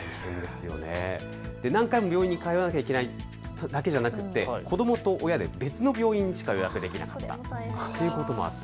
何回も病院に通わなきゃいけないだけではなくて子どもと親で別の病院しか予約できなかったりとか。